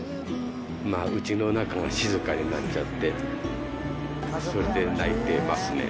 うちの中が静かになっちゃって、それで泣いてますね。